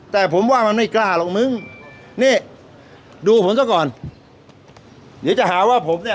แต่ผมว่ามันไม่กล้าหรอกมึงนี่ดูผมซะก่อนเดี๋ยวจะหาว่าผมเนี่ย